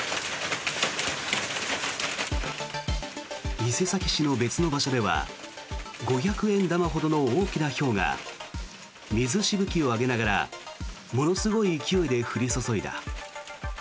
伊勢崎市の別の場所では五百円玉ほどの大きなひょうが水しぶきを上げながらものすごい勢いで降り注いだ。